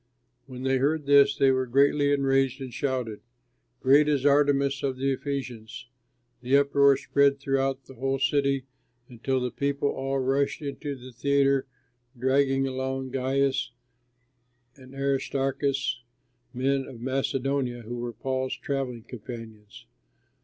When they heard this they were greatly enraged, and shouted, "Great is Artemis of the Ephesians!" The uproar spread throughout the whole city until the people all rushed into the theatre, dragging along Gaius and Aristarchus, men of Macedonia, who were Paul's travelling companions.